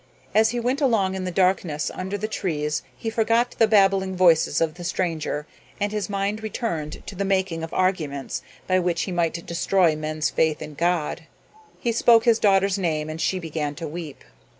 As he went along in the darkness under the trees he forgot the babbling voice of the stranger and his mind returned to the making of arguments by which he might destroy men's faith in God. He spoke his daughter's name and she began to weep.